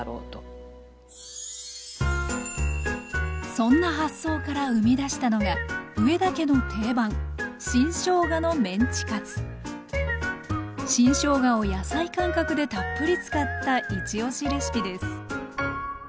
そんな発想から生み出したのが上田家の定番新しょうがを野菜感覚でたっぷり使ったいちおしレシピです